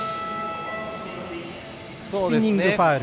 スピニング・ファウル。